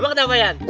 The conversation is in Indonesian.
emang kenapa yan